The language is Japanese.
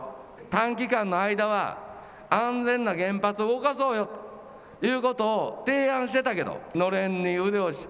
短期間の間は安全な原発を動かそうよということを提案してたけど、のれんに腕押し。